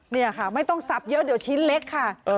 นี่ค่ะไม่ต้องซับเยอะเดี๋ยวชิ้นเล็กค่ะ